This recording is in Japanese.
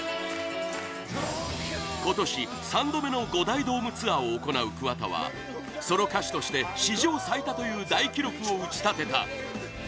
今年、３度目の５大ドームツアーを行う桑田はソロ歌手として史上最多という大記録を打ち立てた！